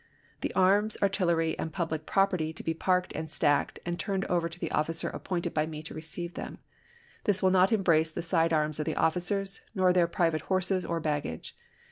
The arms, artillery, and public property to be parked and stacked, and turned over to the officer appointed by me to receive them. This will not embrace the side arms of the officers, nor their private horses or baggage.